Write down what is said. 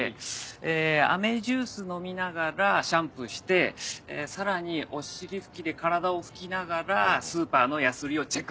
えあめジュース飲みながらシャンプーしてさらにお尻拭きで体を拭きながらスーパーの安売りをチェック。